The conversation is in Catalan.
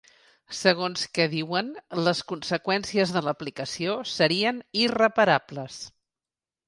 Segons que diuen, les conseqüències de l’aplicació serien ‘irreparables’.